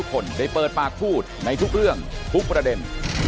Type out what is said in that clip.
ครับสวัสดีครับ